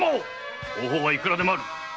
方法はいくらでもある。